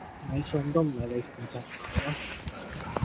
買餸都唔係你負責買啦？